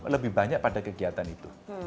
lebih banyak pada kegiatan itu